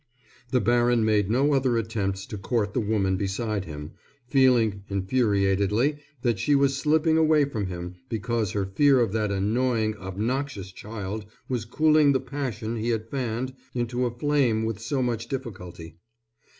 The baron made no other attempts to court the woman beside him, feeling, infuriatedly, that she was slipping away from him because her fear of that annoying, obnoxious child was cooling the passion he had fanned into a flame with so much difficulty.